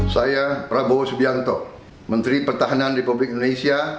saya prabowo subianto menteri pertahanan republik indonesia